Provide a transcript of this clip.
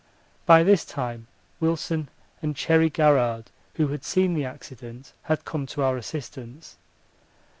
By this time Wilson and Cherry Garrard, who had seen the accident, had come to our assistance.